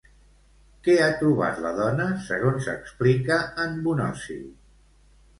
Què ha trobat la dona, segons explica en Bonosi?